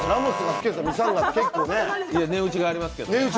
値打ちがありますけどね。